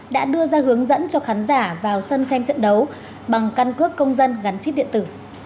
đã đưa ra hướng dẫn cho khán giả vào sân xem trận đấu bằng căn cước công dân gắn chip điện tử